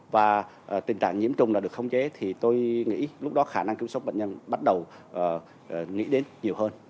và tình trạng nhiễm trùng đã được khống chế thì tôi nghĩ lúc đó khả năng cứu sống bệnh nhân bắt đầu nghĩ đến nhiều hơn